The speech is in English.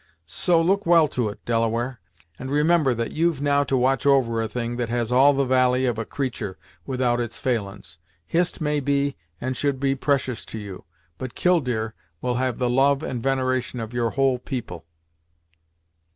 So, look well to it, Delaware, and remember that you've now to watch over a thing that has all the valie of a creatur', without its failin's. Hist may be, and should be precious to you, but Killdeer will have the love and veneration of your whole people."